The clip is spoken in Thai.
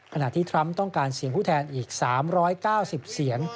ที่ทรัมป์ต้องการเสียงผู้แทนอีก๓๙๐เสียง